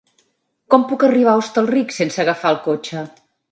Com puc arribar a Hostalric sense agafar el cotxe?